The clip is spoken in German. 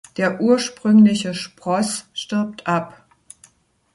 Der ursprüngliche Spross stirbt ab.